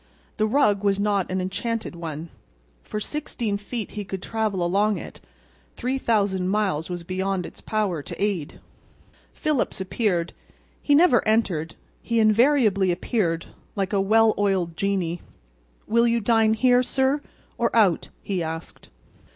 The rug was not an enchanted one. For sixteen feet he could travel along it; three thousand miles was beyond its power to aid. Phillips appeared. He never entered; he invariably appeared, like a well oiled genie. "Will you dine here, sir, or out?" he asked.